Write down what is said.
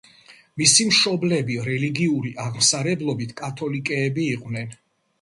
მისი მშობლები რელიგიური აღმსარებლობით კათოლიკეები იყვნენ.